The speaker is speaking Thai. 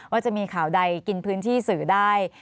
ว่าจะมีข่าวใดกินพื้นที่สื่อได้